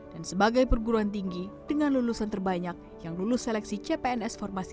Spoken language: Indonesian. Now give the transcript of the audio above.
dan sebagai perguruan tinggi dengan lulusan terbanyak yang lulus seleksi cpns formasi dua ribu sembilan belas